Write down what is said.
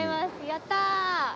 やった！